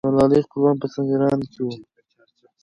د ملالۍ خپلوان په سینګران کې وو.